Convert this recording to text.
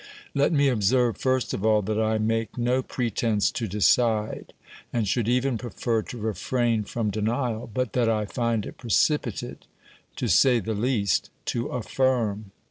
Let me observe first of all that I make no pretence to decide, and should even prefer to refrain from denial, but that I find it precipitate, to say the least, to affirm.